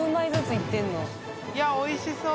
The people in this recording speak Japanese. あんり）いやおいしそう！